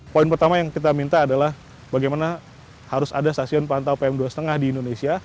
poin pertama yang kita minta adalah bagaimana harus ada stasiun pantau pm dua lima di indonesia